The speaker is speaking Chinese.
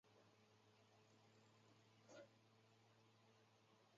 沼泽是位于美国亚利桑那州皮马县的一个非建制地区。